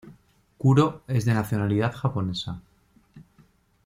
Kuro es de nacionalidad japonesa.